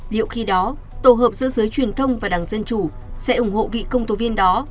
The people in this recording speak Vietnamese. liệu khi đó tổ hợp giữa giới truyền thông và đảng dân chủ sẽ ủng hộ vị công tố viên đó